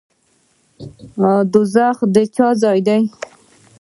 دوزخ د چا ځای دی؟